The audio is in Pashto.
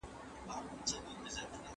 ايا حضوري تدريس د تمرین فوري اصلاح ممکن کوي؟